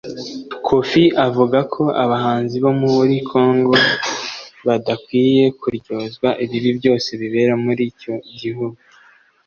Koffi avuga ko abahanzi bo muri Congo badakwiriye kuryozwa ibibi byose bibera muri icyo gihugu